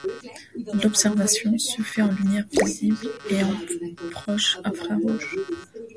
L'observation se fait en lumière visible et en proche infrarouge.